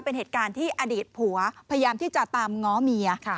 เป็นเหตุการณ์ที่อดีตผัวพยายามที่จะตามง้อเมีย